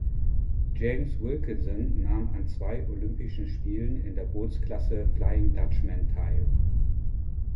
James Wilkinson nahm an zwei Olympischen Spielen in der Bootsklasse Flying Dutchman teil.